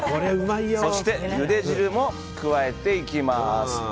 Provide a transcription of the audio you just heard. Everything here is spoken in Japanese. ゆで汁も加えていきます。